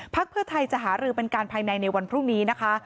เพื่อไทยจะหารือเป็นการภายในในวันพรุ่งนี้นะคะ